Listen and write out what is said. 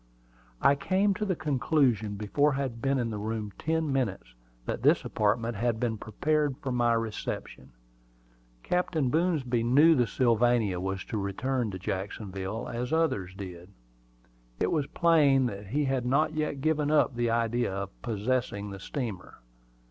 I came to the conclusion before I had been in the room ten minutes, that this apartment had been prepared for my reception. Captain Boomsby knew that the Sylvania was to return to Jacksonville, as others did. It was plain that he had not yet given up the idea of possessing the steamer.